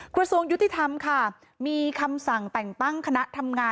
กระทรวงยุติธรรมค่ะมีคำสั่งแต่งตั้งคณะทำงาน